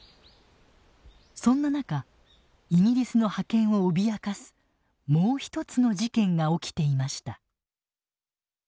そんな中イギリスの覇権を脅かすもう一つの事件が起きていました。